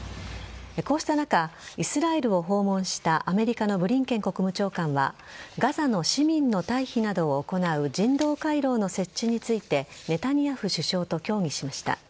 こうした中イスラエルを訪問したアメリカのブリンケン国務長官はガザの市民の退避などを行う人道回廊の設置についてネタニヤフ首相と協議しました。